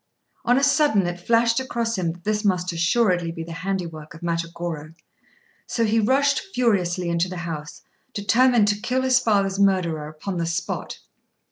On a sudden, it flashed across him that this must assuredly be the handiwork of Matagorô; so he rushed furiously into the house, determined to kill his father's murderer upon the spot.